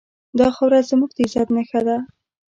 دا خاوره زموږ د عزت نښه ده.